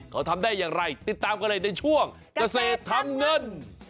เขาทำได้อย่างไรติดตามกันเลยในช่วงเกษตรทำเงิน